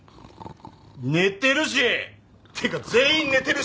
寝てるし！ってか全員寝てるし！